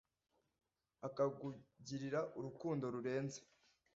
akakugirira urukundo rurenze